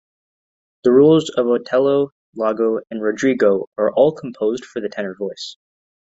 The roles of Otello, Iago, and Rodrigo are all composed for the tenor voice.